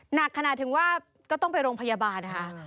หนักขนาดถึงว่าก็ต้องไปโรงพยาบาลนะคะ